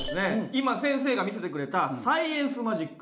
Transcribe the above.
今先生が見せてくれたサイエンスマジック。